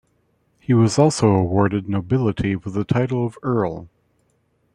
He also was awarded nobility with the title of earl.